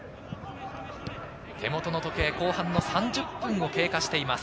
手元の時計、後半３０分を経過しています。